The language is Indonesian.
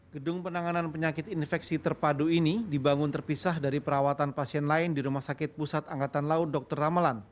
gedung penanganan penyakit infeksi terpadu ini dibangun terpisah dari perawatan pasien lain di rumah sakit pusat angkatan laut dr ramelan